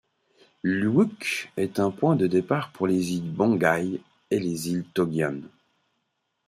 Luwuk est un point de départ pour les îles Banggai et les îles Togian.